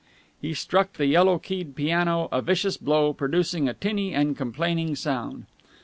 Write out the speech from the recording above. He struck the yellow keyed piano a vicious blow, producing a tinny and complaining sound.